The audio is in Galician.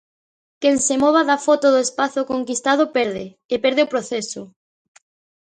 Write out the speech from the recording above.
Quen se mova da foto do espazo conquistado perde, e perde o proceso.